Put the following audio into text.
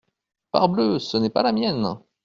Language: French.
Parbleu ! ce n’est pas la mienne !…